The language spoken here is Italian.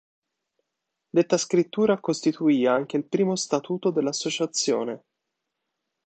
Detta scrittura costituì anche il primo Statuto dell'Associazione".